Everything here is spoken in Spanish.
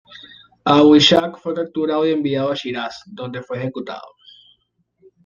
Abu Ishaq fue capturado y enviado a Shiraz, donde fue ejecutado.